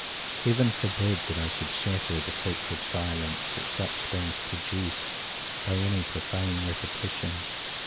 Heaven forbid that I should shatter the sacred silence that such things produce, by any profane repetition!